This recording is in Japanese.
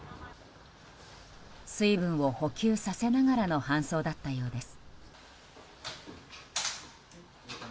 水分を補給させながらの搬送だったようです。